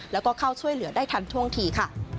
แล้วก็เข้าช่วยเหลือได้ทันท่วงทีค่ะ